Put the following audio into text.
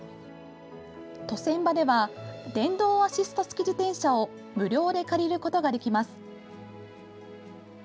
渡船場では電動アシスト付き自転車を無料で借りることができます。